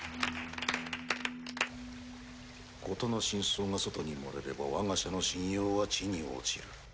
事の真相が外に漏れれば我が社の信用は地に落ちる。